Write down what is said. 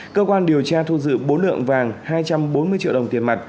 cơ quan điều tra thu giữ bốn lượng vàng hai trăm bốn mươi triệu đồng tiền mặt